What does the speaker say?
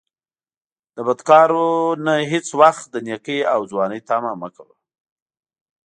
له بدکارو نه هیڅ وخت د نیکۍ او ځوانۍ طمعه مه کوه